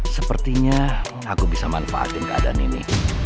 sepertinya aku bisa manfaatin keadaan ini